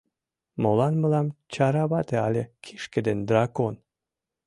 Молан мылам чара вате але кишке ден дракон?!